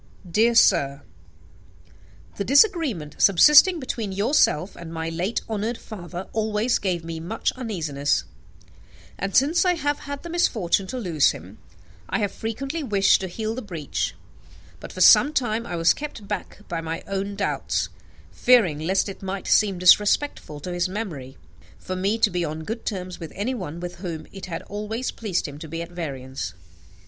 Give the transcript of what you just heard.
*/ "Dear Sir, "The disagreement subsisting between yourself and my late honoured father always gave me much uneasiness; and, since I have had the misfortune to lose him, I have frequently wished to heal the breach: but, for some time, I was kept back by my own doubts, fearing lest it might seem disrespectful to his memory for me to be on good terms with anyone with whom it had always pleased him to be at variance."